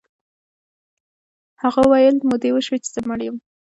هغه ویل مودې وشوې چې زه مړ یم